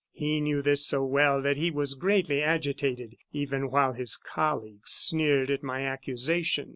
He knew this so well that he was greatly agitated, even while his colleagues sneered at my accusation."